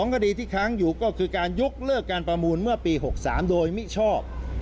คดีที่ค้างอยู่ก็คือการยกเลิกการประมูลเมื่อปี๖๓โดยมิชอบ